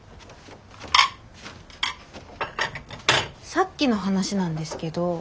さっきの話なんですけど。